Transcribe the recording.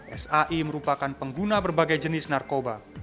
sai merupakan pengguna berbagai jenis narkoba